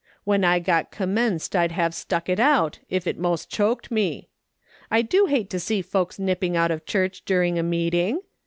When I got commenced I'd have stuck it out if it most choked me. I do hate to see folks nipping out of church during a meeting.